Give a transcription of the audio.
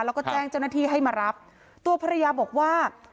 แล้วก็แจ้งเจ้าหน้าที่ให้มารับตัวภรรยาบอกว่า